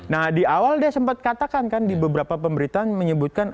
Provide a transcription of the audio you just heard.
nah di awal dia sempat katakan kan di beberapa pemberitaan menyebutkan